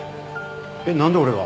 えっなんで俺が？